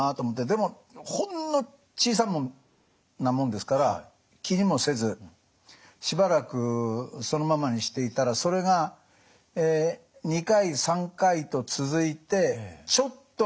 でもほんの小さなもんですから気にもせずしばらくそのままにしていたらそれが２回３回と続いてちょっとにじむようになったの。